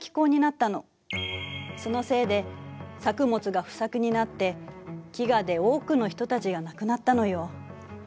そのせいで作物が不作になって飢餓で多くの人たちが亡くなったのよ。